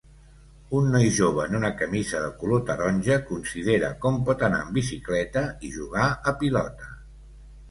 Un noi jove en una camisa de color taronja considera com pot anar en bicicleta i jugar a pilota